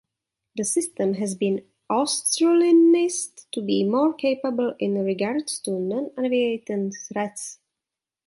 The system has been 'Australianised' to be more capable in regards to non-aviation threats.